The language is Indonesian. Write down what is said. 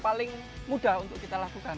paling mudah untuk kita lakukan